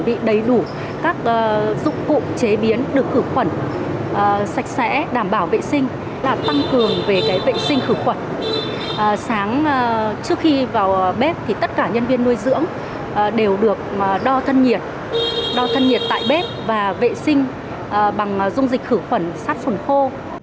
sáng trước khi vào bếp thì tất cả nhân viên nuôi dưỡng đều được đo thân nhiệt đo thân nhiệt tại bếp và vệ sinh bằng dung dịch khử khuẩn sát phần khô